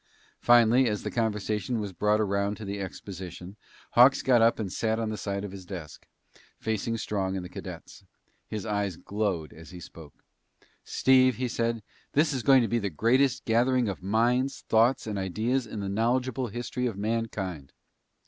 Finally, as the conversation was brought around to the exposition, Hawks got up and sat on the side of the desk, facing Strong and the cadets. His eyes glowed as he spoke. "Steve," he said, "this is going to be the greatest gathering of minds, thoughts, and ideas in the knowledgeable history of mankind!